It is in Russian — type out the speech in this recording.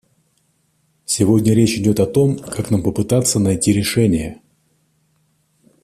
Сегодня речь идет о том, как нам попытаться найти решения.